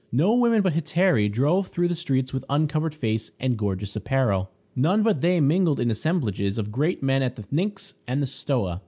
No women but hetairæ drove through the streets with uncovered face and gorgeous apparel. None but they mingled in the assemblages of great men at the Pnyx or the Stoa.